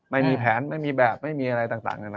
ไม่มีแผนไม่มีแบบไม่มีอะไรต่าง